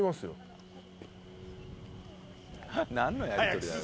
何のやりとりだよ。